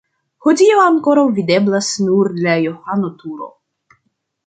Hodiaŭ ankoraŭ videblas nur la Johano-turo.